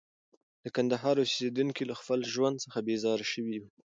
د کندهار اوسېدونکي له خپل ژوند څخه بېزاره شوي وو.